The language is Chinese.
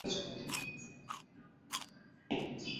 参赛者年龄必须六岁或以上。